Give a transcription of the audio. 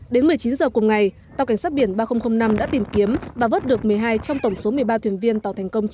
đến một mươi chín giờ cùng ngày tàu cảnh sát biển ba nghìn năm đã tìm kiếm và vớt được một mươi hai trong tổng số một mươi ba thuyền viên tàu thành công chín trăm chín mươi chín